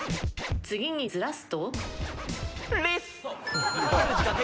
次にずらすと？